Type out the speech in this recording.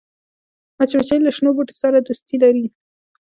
مچمچۍ له شنو بوټو سره دوستي لري